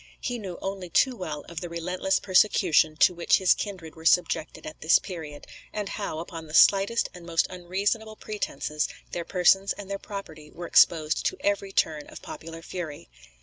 He knew only too well of the relentless persecution to which his kindred were subjected at this period, and how, upon the slightest and most unreasonable pretences, their persons and their property were exposed to every turn of popular fury.